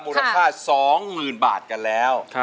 มูลค่า๒๐๐๐บาทกันแล้ว